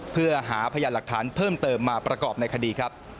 เพื่อหาพยานหลักฐานเพิ่มเติมมาประกอบในคดีครับ